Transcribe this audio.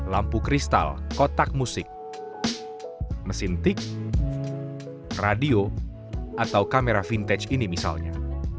lampu kristal kotak musik mesin tik radio atau kamera vintage ini misalnya